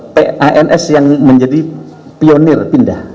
pans yang menjadi pionir pindah